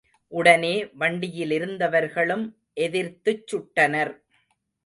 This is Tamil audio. உடனே வண்டியிலிருந்தவர்களும் எதிர்த்துச் சுட்டனர்.